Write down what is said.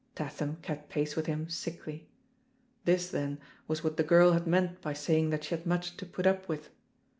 Tatham kept pace with him sickly. This, then, was what the girl had meant by saying that she had much to put up with.